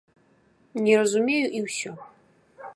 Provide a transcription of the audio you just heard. Не разумею і ўсё.